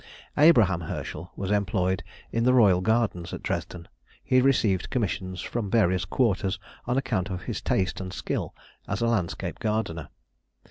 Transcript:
Abraham Herschel was employed in the royal gardens at Dresden, he received commissions from various quarters on account of his taste and skill as a landscape gardener.